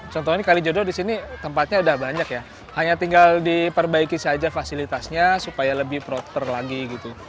contohnya kalijodo di sini tempatnya udah banyak ya hanya tinggal diperbaiki saja fasilitasnya supaya lebih proper lagi gitu